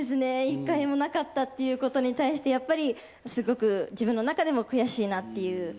１回もなかったっていうことに対してやっぱりすごく自分の中でも悔しいなっていう。